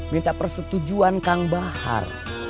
minta persetujuan kang bahar